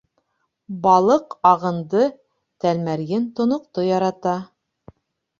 Балыҡ ағынды, тәлмәрйен тоноҡто ярата.